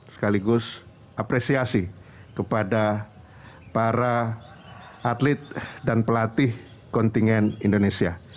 sekaligus apresiasi kepada para atlet dan pelatih kontingen indonesia